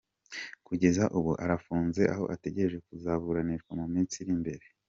Kugeza ubu arafunze aho ategereje kuzabutanishwa mu minsi iri imbere.